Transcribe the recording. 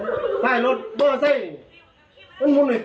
ม้าถามว่าดิดิก่อนสุทธิป